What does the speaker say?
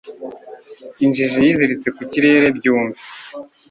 injiji yiziritse ku kirere byumve